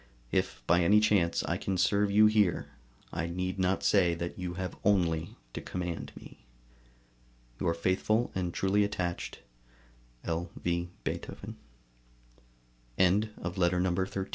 If by any chance I can serve you here, I need not say that you have only to command me. Your faithful and truly attached L. V. BEETHOVEN. 14. TO WEGELER. Vienna, June 29, 1800.